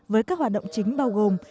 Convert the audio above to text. với các hoạt động chính bao gồm